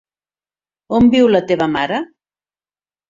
On viu la teva mare?